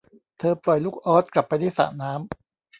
เธอปล่อยลูกอ๊อดกลับไปที่สระน้ำ